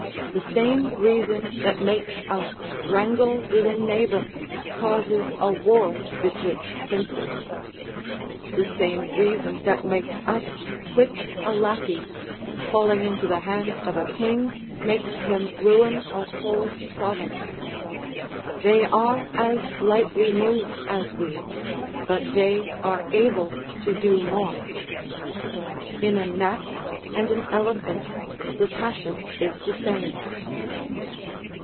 The same reason that makes us wrangle with a neighbour causes a war betwixt princes; the same reason that makes us whip a lackey, falling into the hands of a king makes him ruin a whole province. They are as lightly moved as we, but they are able to do more. In a gnat and an elephant the passion is the same.